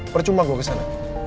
percuma gue kesana